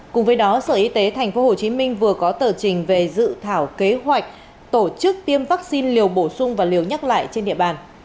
cùng với đó sở y tế tp hcm vừa có tờ trình về dự thảo kế hoạch tổ chức tiêm vaccine liều bổ sung và liều nhắc lại trên địa bàn